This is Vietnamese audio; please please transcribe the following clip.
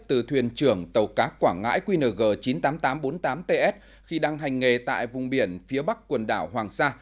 từ thuyền trưởng tàu cá quảng ngãi qng chín mươi tám nghìn tám trăm bốn mươi tám ts khi đang hành nghề tại vùng biển phía bắc quần đảo hoàng sa